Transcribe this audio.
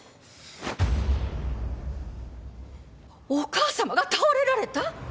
お母さまが倒れられた！？